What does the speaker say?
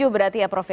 berarti ya prof ya